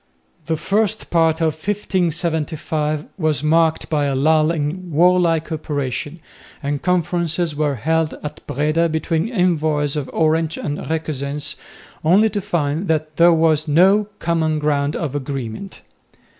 The first part of 1575 was marked by a lull in warlike operations, and conferences were held at Breda between envoys of Orange and Requesens, only to find that there was no common ground of agreement.